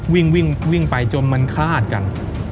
วิ่งไปจนมันคาดกัน